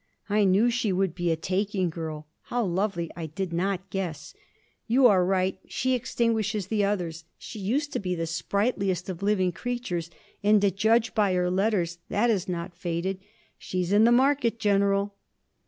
I knew she would be a taking girl: how lovely, I did not guess. You are right, she extinguishes the others. She used to be the sprightliest of living creatures, and to judge by her letters, that has not faded. She 's in the market, General.'